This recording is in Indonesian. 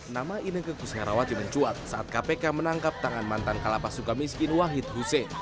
nama indah kekus herawati mencuat saat kpk menangkap tangan mantan kalapas suka miskin wahid hussein